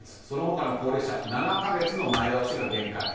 その他の高齢者７か月で前倒しが限界。